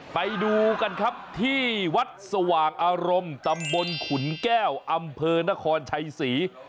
ไปดูกันครับที่วัดสว่างอารมณ์ตำบลขุนแก้วอำเภอนครชัยศรี